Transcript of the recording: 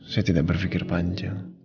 saya tidak berpikir panjang